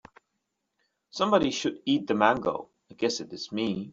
Somebody should eat the mango, I guess it is me.